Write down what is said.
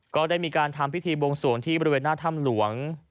ก็ได้มีการทำพิธีบวงสวงที่บริเวณหน้าถ้ำหลวง